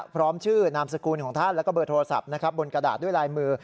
พร้อมชื่อนามสกุลของท่านแล้วก็เบอร์โทรศัพท์นะครับบนกระดาษด้วยลายมือ